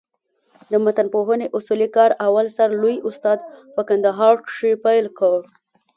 د متنپوهني اصولي کار اول سر لوى استاد په کندهار کښي پېل کړ.